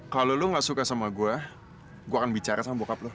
kalau lu gak suka sama gue gue akan bicara sama bokap lo